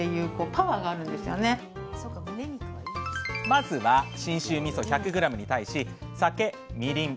まずは信州みそ１００ｇに対し酒みりん